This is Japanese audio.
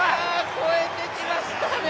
超えてきましたね！